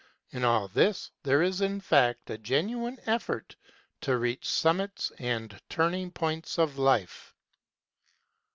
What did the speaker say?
In all this, there is in fact a genuine effort to reach summits and turning points of life.